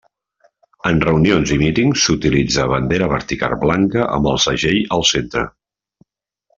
En reunions i mítings s'utilitza bandera vertical blanca amb el segell al centre.